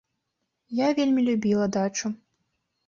Я вельмі любіла дачу.